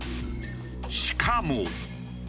しかも。